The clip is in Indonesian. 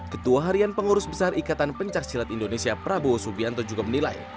ketua harian pengurus besar ikatan pencaksilat indonesia prabowo subianto juga menilai